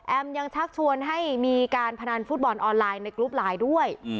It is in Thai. ยังชักชวนให้มีการพนันฟุตบอลออนไลน์ในกรุ๊ปไลน์ด้วย